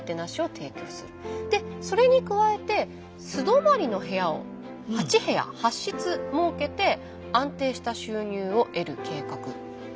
でそれに加えて素泊まりの部屋を８部屋８室設けて安定した収入を得る計画ということなんですが。